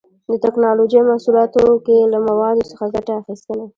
د ټېکنالوجۍ محصولاتو کې له موادو څخه ګټه اخیستنه